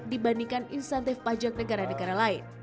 pemilu pemilu yang lebih menarik dibandingkan insentif pajak negara negara lain